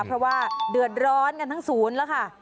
เพราะว่าเดือดร้อนกันทั้งศูนย์แล้วค่ะ